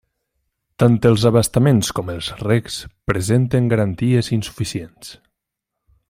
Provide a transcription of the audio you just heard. Tant els abastaments com els regs presenten garanties insuficients.